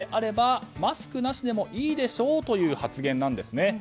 屋外であればマスクなしでもいいでしょうという発言なんですね。